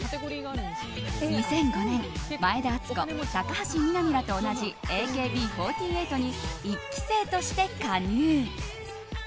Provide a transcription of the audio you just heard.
２００５年前田敦子、高橋みなみらと同じＡＫＢ４８に１期生として加入。